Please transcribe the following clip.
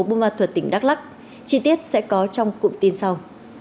bumat thuật tỉnh đắk lắc chi tiết sẽ có trong cụm tin sau